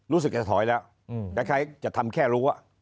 รู้สึกจะถอยแล้วแต่ใครจะทำแค่รู้อ๋ะ